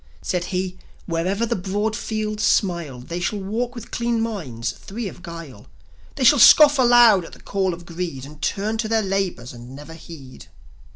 Said he: "Wherever the broad fields smile, They shall walk with clean minds, free of guile; They shall scoff aloud at the call of Greed, And turn to their labours and never heed."